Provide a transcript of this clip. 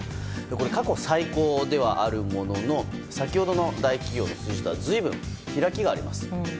過去最高ではあるものの先ほどの大企業の数字とは随分、開きがあります。